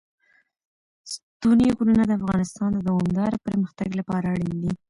ستوني غرونه د افغانستان د دوامداره پرمختګ لپاره اړین دي.